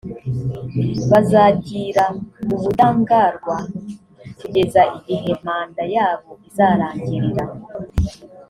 bazagira ubudaangarwa kugeza igihe manda yabo izarangirira